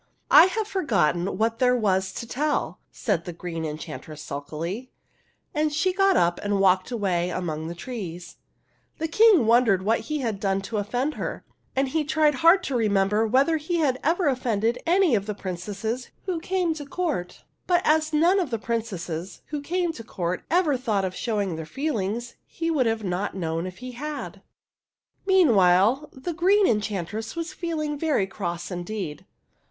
" I have forgotten what there was to tell," said the Green Enchantress, sulkily ; and she got up and walked away among the trees. The King wondered what he had done to offend her, and he tried hard to remember whether he had ever offended any of the prin cesses who came to court ; but as none of the princesses who came to court ever thought of showing their feelings, he would not have known if he had. Meanwhile the Green Enchantress was feel ing very cross indeed.